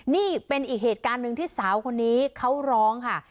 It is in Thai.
นี่เป็นอีกเหตุการณ์หนึ่งที่สาวคนนี้เขาร้องค่ะ